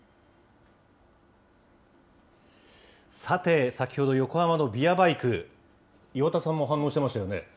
さて、先ほど、横浜のビアバイク、岩田さんも反応してましたよね。